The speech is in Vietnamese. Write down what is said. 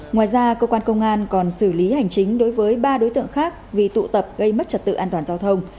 ngoài ra cơ quan công an còn xử lý hành chính đối với ba đối tượng khác vì tụ tập gây mất trật tự an toàn giao thông